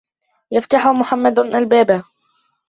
يَفْتَحُ مُحَمَّدٌ الْبَابَ.